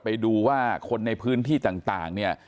ไปดูว่าคนในพื้นที่ต่างเนี่ย